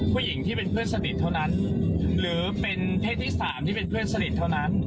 ผู้หญิงที่เป็นเพื่อนสนิทเท่านั้นหรือเป็นเพศที่๓ที่เป็นเพื่อนสนิทเท่านั้น